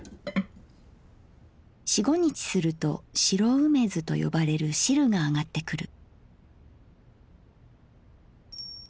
四五日すると白梅酢とよばれる汁があがってくる」。